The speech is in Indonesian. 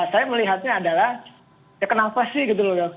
saya melihatnya adalah ya kenapa sih gitu loh